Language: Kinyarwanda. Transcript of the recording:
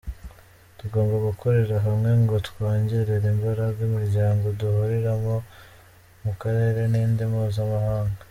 Tugomba gukorera hamwe ngo twongerere imbaraga imiryango duhuriramo mu karere n’indi mpuzamahanga.’’